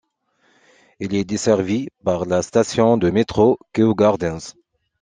Il est desservie par la station de métro Kew Gardens.